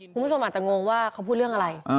คุณผู้ชมอาจจะงงว่าเขาพูดเรื่องอะไร